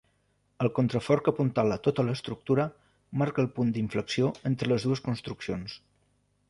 El contrafort que apuntala tota l'estructura marca el punt d'inflexió entre les dues construccions.